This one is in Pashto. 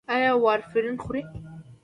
ایا وارفرین خورئ؟